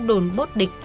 đồn bốt địch